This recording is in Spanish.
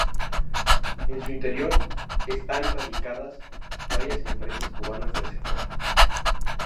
En su interior están radicadas varias empresas cubanas del sector.